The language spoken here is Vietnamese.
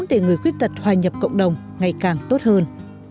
để người khuyết tật hoài nhập cộng đồng ngày càng tốt hơn